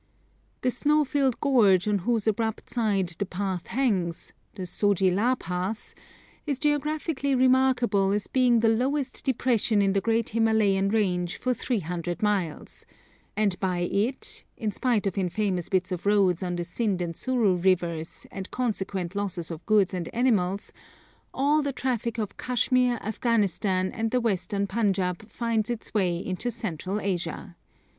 The snow filled gorge on whose abrupt side the path hangs, the Zoji La (Pass), is geographically remarkable as being the lowest depression in the great Himalayan range for 300 miles; and by it, in spite of infamous bits of road on the Sind and Suru rivers, and consequent losses of goods and animals, all the traffic of Kashmir, Afghanistan, and the Western Panjāb finds its way into Central Asia.